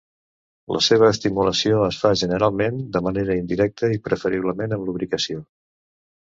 La seva estimulació es fa generalment de manera indirecta i preferiblement amb lubricació.